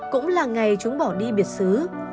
cũng là ngày chúng bỏ đi biệt xứ